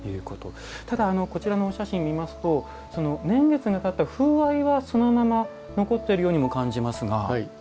ただ、こちらのお写真見ますと年月がたった風合いはそのまま、残っているようにも感じますが。